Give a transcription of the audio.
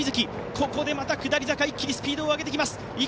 ここでまた下り坂、一気にスピードを上げてきます。